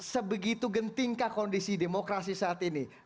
sebegitu gentingkah kondisi demokrasi saat ini